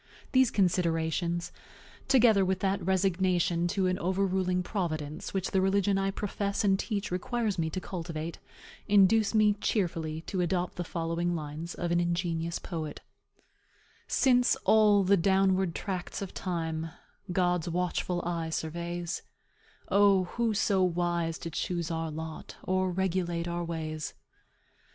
These considerations, together with that resignation to an overruling Providence which the religion I profess and teach requires me to cultivate, induce me cheerfully to adopt the following lines of an ingenious poet: "Since all the downward tracts of time God's watchful eye surveys, O, who so wise to choose our lot, Or regulate our ways?